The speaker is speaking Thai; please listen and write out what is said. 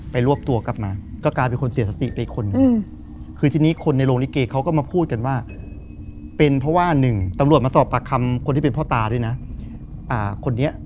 เป็นเพราะว่าหนึ่งตำรวจมาถับปากคำคนที่เป็นพ่อตาด้วยนะ